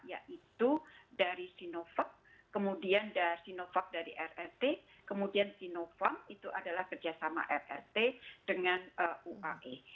yaitu dari sinovac kemudian sinovac dari rrt kemudian sinopharm itu adalah kerjasama rrt dengan uae